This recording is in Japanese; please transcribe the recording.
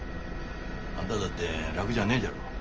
あんただって楽じゃねえじゃろう。